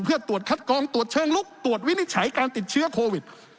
เพื่อตรวจคัดกองตรวจเชิงลุกตรวจวินิจฉัยการติดเชื้อโควิด